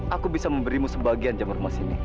aku bisa memberimu sebagian jamur emas ini